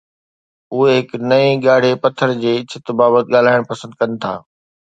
اهي هڪ نئين ڳاڙهي پٿر جي ڇت بابت ڳالهائڻ پسند ڪن ٿا